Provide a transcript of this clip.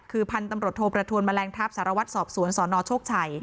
คือพันธุ์ตำรวจโทประทวนแมลงทัพสารวัตรสอบสวนสนโชคชัย